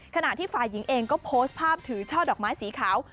ขณะที่ฝ่ายหญิงเองก็โพสต์ภาพถือช่อดอกไม้สีขาว